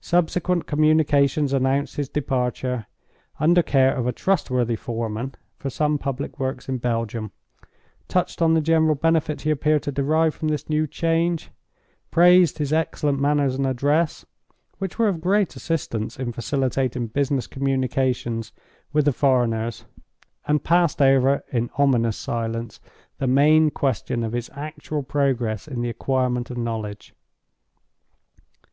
Subsequent communications announced his departure, under care of a trustworthy foreman, for some public works in Belgium; touched on the general benefit he appeared to derive from this new change; praised his excellent manners and address, which were of great assistance in facilitating business communications with the foreigners—and passed over in ominous silence the main question of his actual progress in the acquirement of knowledge.